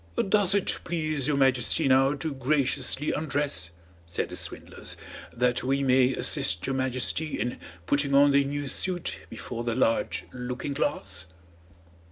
"Does it please your Majesty now to graciously undress," said the swindlers, "that we may assist your Majesty in putting on the new suit before the large looking glass?"